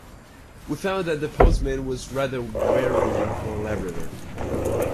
We found that the postman was rather wary of our labrador